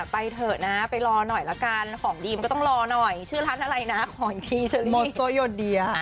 ไปเถอะนะไปรอหน่อยละกันของดีมันก็ต้องรอหน่อยชื่อร้านอะไรนะของดีเชอรี่มีโซ่ยนเดีย